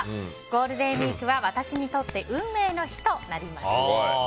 ゴールデンウィークは私にとって運命の日となりました。